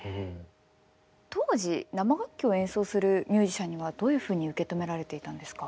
当時生楽器を演奏するミュージシャンにはどういうふうに受け止められていたんですか？